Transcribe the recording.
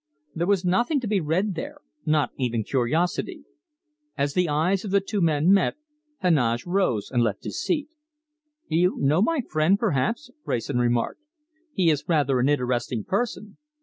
There was nothing to be read there, not even curiosity. As the eyes of the two men met, Heneage rose and left his seat. "You know my friend, perhaps?" Wrayson remarked. "He is rather an interesting person."